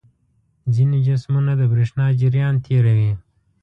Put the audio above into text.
ځینې جسمونه د برېښنا جریان تیروي.